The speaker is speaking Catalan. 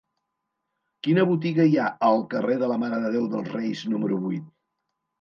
Quina botiga hi ha al carrer de la Mare de Déu dels Reis número vuit?